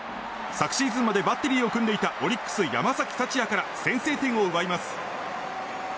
昨シーズンまでバッテリーを組んでいたオリックス、山崎福也から先制点を奪います。